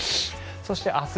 そして明日。